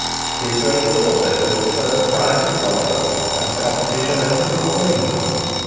His grapes also took the first prize at Rotherham, at a competition open to all England.